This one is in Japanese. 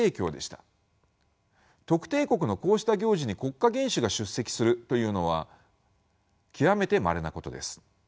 特定国のこうした行事に国家元首が出席するというのは極めてまれなことです。